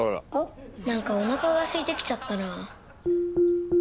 何かおなかがすいてきちゃったなあ。